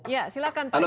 ya silakan pak iwan